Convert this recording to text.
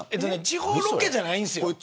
地方ロケじゃないんですよ。